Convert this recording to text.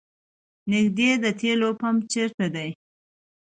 نیږدې د تیلو پمپ چېرته ده؟